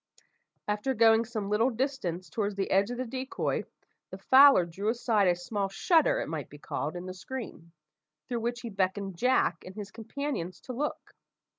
After going some little distance towards the edge of the decoy, the fowler drew aside a small shutter, it might be called, in the screen, through which he beckoned Jack and his companions to look.